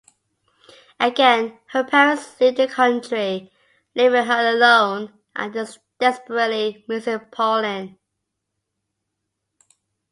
Again her parents leave the country, leaving her alone and desperately missing Pauline.